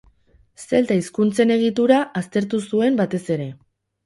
Zelta hizkuntzen egitura aztertu zuen batez ere.